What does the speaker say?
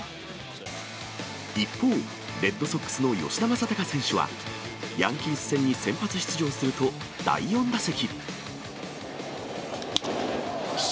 一方、レッドソックスの吉田正尚選手は、ヤンキース戦に先発出場すると、第４打席。